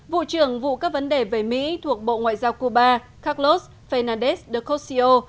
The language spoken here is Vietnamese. vụ trưởng vụ các vấn đề về mỹ thuộc bộ ngoại giao cuba carlos fernandez de cossio